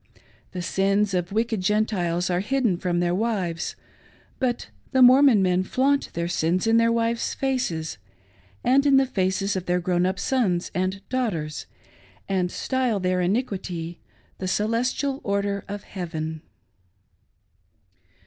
The sins of wicked Gentiles are hidden from their wives ; but the Mormon men flaunt their sins in their wives' faces, and in the faces of their grown up sons and daughters, and style their iniquity " The Celestial Order of Heaven